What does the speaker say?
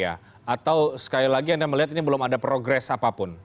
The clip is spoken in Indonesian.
atau sekali lagi anda melihat ini belum ada progres apapun